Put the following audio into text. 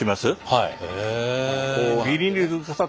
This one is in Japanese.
はい。